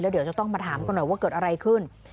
เดี๋ยวจะต้องมาถามกันหน่อยว่าเกิดอะไรขึ้น